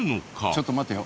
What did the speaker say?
ちょっと待てよ。